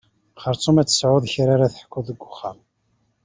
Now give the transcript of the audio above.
Xersum ad tesεuḍ kra ara teḥkuḍ deg uxxam.